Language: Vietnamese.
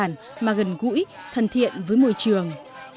những trò chơi đơn giản mà gần gũi thân thiện với môi trường